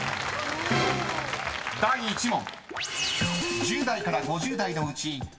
［第１問］